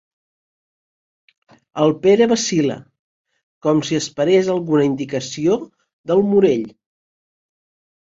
El Pere vacil.la, com si esperés alguna indicació del Morell.